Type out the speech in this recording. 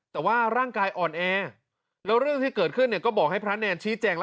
แต่ว่าร่างกายอ่อนแอแล้วเรื่องที่เกิดขึ้นเนี่ยก็บอกให้พระแนนชี้แจงแล้ว